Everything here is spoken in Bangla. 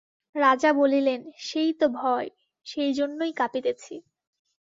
রাজা বলিলেন, সেই তো ভয়, সেইজন্যই কাঁপিতেছি।